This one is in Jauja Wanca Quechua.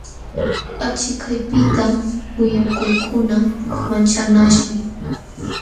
Achikaypiqta willakuykuna manchanaśhmi.